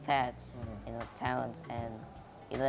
kita memiliki semua jalan yang berbeda